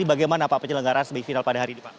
bagaimana pak penyelenggaran semifinal pada hari ini pak